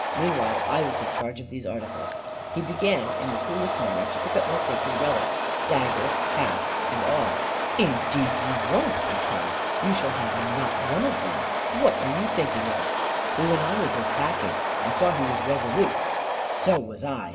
Meanwhile, I will take charge of these articles." He began, in the coolest manner, to pack up my sacred relics, dagger, casts, and all. "Indeed you won't," I cried, "you shall not have one of them. What are you thinking of?" He went on with his packing. I saw he was resolute; so was I.